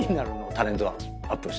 タレントアップしたら。